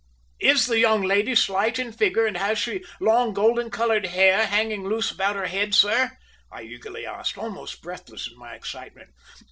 "Is the young lady slight in figure, and has she long golden coloured hair hanging loose about her head, sir?" I eagerly asked, almost breathless in my excitement.